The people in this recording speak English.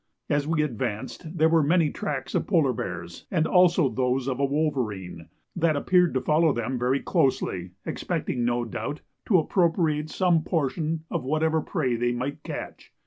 As we advanced there were many tracks of polar bears, and also those of a wolverine, that appeared to follow them very closely, expecting no doubt to appropriate some portion of whatever prey they might catch.